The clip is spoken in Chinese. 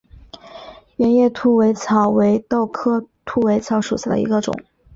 圆叶兔尾草为豆科兔尾草属下的一个种。